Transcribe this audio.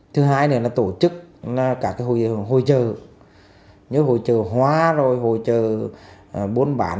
thứ hai là tổ chức cả hội chợ như hội chợ hóa hội chợ bốn bản